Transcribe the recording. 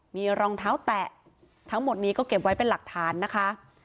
มีรองเท้าแตะทั้งหมดนี้ก็เก็บไว้เป็นหลักฐานนะคะ